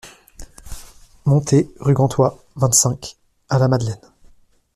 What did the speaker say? Monté, rue Gantois, vingt-cinq, à La Madeleine.